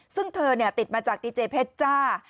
ซึ่งเธอติดมาจากดีเจเพชรจ้า